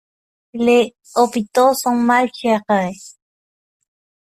Les hopitaux sont mal gérés.